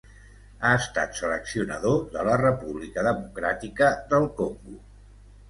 Ha estat seleccionador de la República Democràtica del Congo.